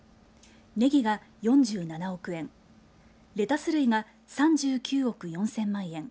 ねぎが４７億円レタス類が３９億４０００万円